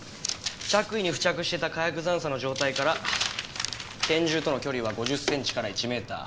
着衣に付着していた火薬残渣の状態から拳銃との距離は５０センチから１メーター。